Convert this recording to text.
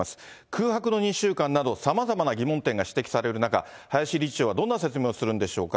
空白の２週間など、さまざまな疑問点が指摘される中、林理事長はどんな説明をするんでしょうか。